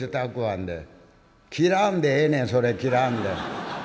切らんでええねんそれ切らんで」。